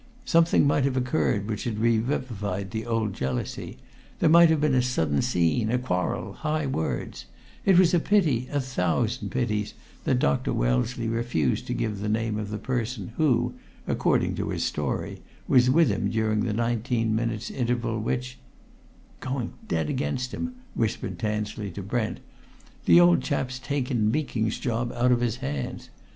Something might have occurred which had revivified the old jealousy there might have been a sudden scene, a quarrel, high words: it was a pity, a thousand pities, that Dr. Wellesley refused to give the name of the person who, according to his story, was with him during the nineteen minutes' interval which "Going dead against him!" whispered Tansley to Brent. "The old chap's taken Meeking's job out of his hands.